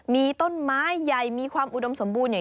มีต้นไม้ใหญ่มีความอุดมสมบูรณเนี่ย